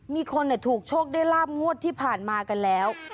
มีคนถูกโชคได้ลาบงวดที่ผ่านมากันแล้ว